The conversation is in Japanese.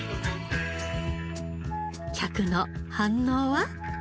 客の反応は？